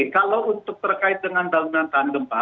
kalau untuk terkait dengan bangunan tahan gempa